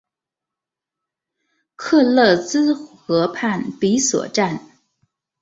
克勒兹河畔比索站。